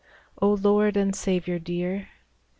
" O Lord and Saviour dear !